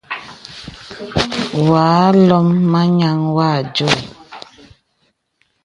Wà àlôm màŋhàŋ wà ādio.